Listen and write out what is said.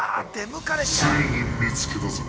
ついに見つけたぞ！